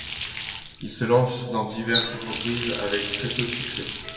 Il se lance dans diverses entreprises avec très peu de succès.